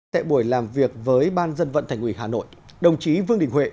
tại buổi làm việc với ban dân vận thành ủy hà nội đồng chí vương đình huệ